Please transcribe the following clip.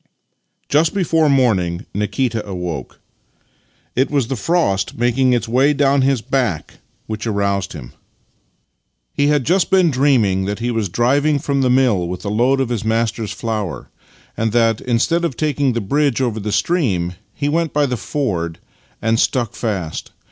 Just before morning Nikita awoke. It was the frost making its way down his back which aroused him. 62 Master and Man He had just been dreaming that he was driving from the mill with a load of his master's flour, and that, instead of taking the bridge over the stream, he went by the ford, and stuck fast.